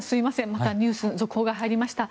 またニュース続報が入りました。